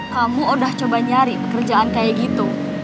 kamu udah coba nyari pekerjaan kayak gitu